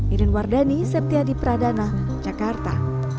iren wardani septya di pradana jakarta